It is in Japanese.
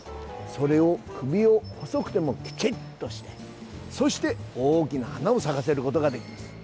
それを首を細くてもきちっとしてそして大きな花を咲かせることができます。